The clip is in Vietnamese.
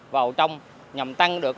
vào trong nhằm tăng được